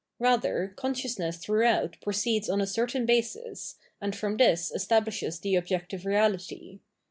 Rather, conscious ness throughout proceeds on a certain basis, and from this establishes the objective reality.